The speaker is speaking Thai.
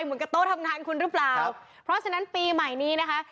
เหมือนกับโต๊ะทำงานคุณหรือเปล่าเพราะฉะนั้นปีใหม่นี้นะคะ